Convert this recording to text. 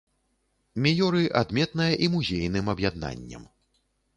Міёры адметная і музейным аб'яднаннем.